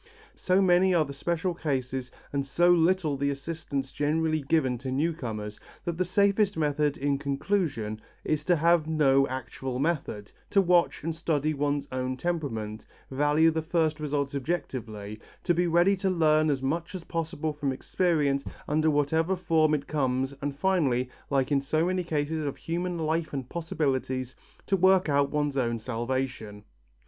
So many are the special cases, and so little the assistance generally given to new comers, that the safest method in conclusion is to have no actual method, to watch and study one's own temperament, value the first results objectively, to be ready to learn as much as possible from experience under whatever form it comes and finally, like in so many cases of human life and possibilities, to work out one's own salvation.